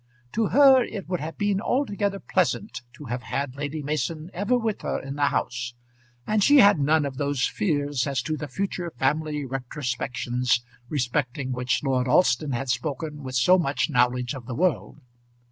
To her it would have been altogether pleasant to have had Lady Mason ever with her in the house; and she had none of those fears as to future family retrospections respecting which Lord Alston had spoken with so much knowledge of the world.